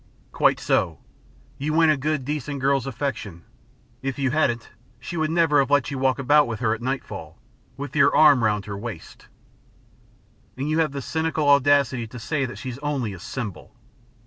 "Quite so. You win a good decent girl's affection, if you hadn't, she would never have let you walk about with her at nightfall, with your arm round her waist, and you have the cynical audacity to say that she's only a symbol."